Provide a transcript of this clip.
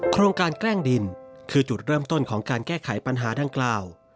โครงการแกล้งดินคือจุดเริ่มต้นของการแก้ไขปัญหาดังกล่าว